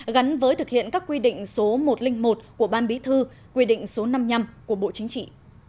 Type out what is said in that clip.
gắn với thực hiện các quy định số một trăm linh một của ban bí thư quy định số năm mươi năm của bộ chính trị